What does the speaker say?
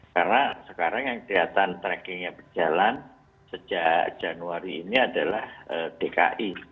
karena sekarang yang kelihatan trackingnya berjalan sejak januari ini adalah dki